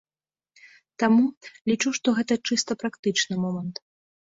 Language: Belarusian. Таму, лічу, што гэта чыста практычны момант.